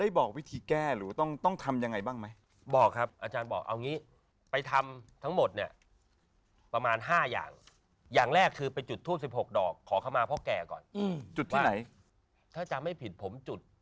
อาจารย์โพนพญาคาราชได้บอกวิธีแก้หรือต้องทำยังไงบ้างไหม